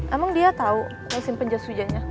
emang dia tau mau simpen jas ujannya